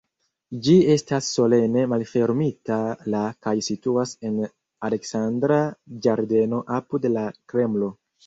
Ĝi estas solene malfermita la kaj situas en Aleksandra ĝardeno apud la Kremlo.